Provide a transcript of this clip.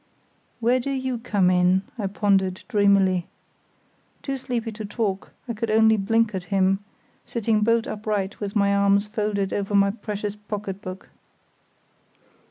"Where do you come in?" I pondered, dreamily. Too sleepy to talk, I could only blink at him, sitting bolt upright with my arms folded over my precious pocket book.